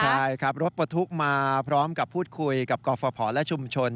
ใช่ครับรถปลดทุกข์มาพร้อมกับพูดคุยกับกรฟภและชุมชน